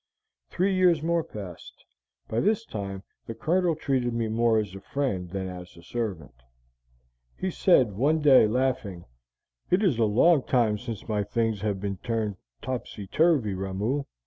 Three years more passed. By this time the Colonel treated me more as a friend than as a servant. He said one day, laughing, 'It is a long time since my things have been turned topsy turvy, Ramoo.